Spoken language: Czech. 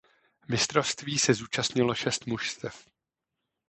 Mistrovství se zúčastnilo šest mužstev.